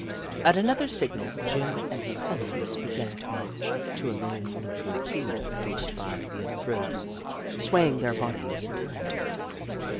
At another signal, Jim and his followers began to march, to a low mournful tune produced by the other Crows, swaying their bodies in time to it.